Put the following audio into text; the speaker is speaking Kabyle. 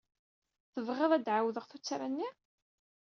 Tebɣiḍ ad d-ɛawdeɣ tuttra-nni?